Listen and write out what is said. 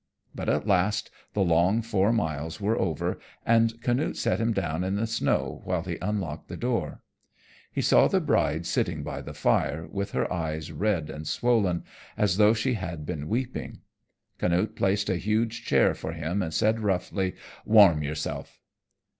But at last the long four miles were over, and Canute set him down in the snow while he unlocked the door. He saw the bride sitting by the fire with her eyes red and swollen as though she had been weeping. Canute placed a huge chair for him, and said roughly, "Warm yourself."